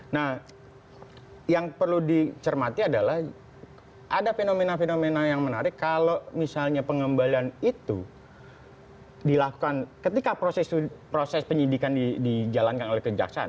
nah yang perlu dicermati adalah ada fenomena fenomena yang menarik kalau misalnya pengembalian itu dilakukan ketika proses penyidikan dijalankan oleh kejaksaan